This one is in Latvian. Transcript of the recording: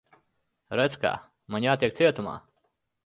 Redz, kā. Man jātiek cietumā.